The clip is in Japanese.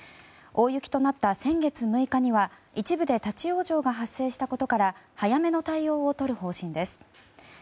大雪となった先月６日には一部で立ち往生が発生したことから早めの対応をとる方針です。